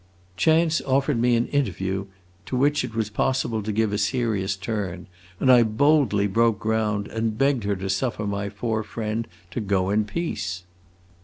Chance offered me an interview to which it was possible to give a serious turn, and I boldly broke ground and begged her to suffer my poor friend to go in peace.